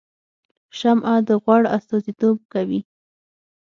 شمعه د غوړ استازیتوب کوي